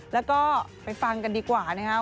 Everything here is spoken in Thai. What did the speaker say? แล้วก็ไปฟังกันดีกว่านะครับ